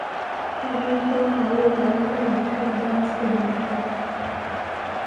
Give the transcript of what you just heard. padre Paul Haule alianza kujisikia vibaya siku ya jumatatu